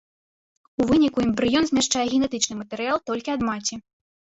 У выніку эмбрыён змяшчае генетычны матэрыял толькі ад маці.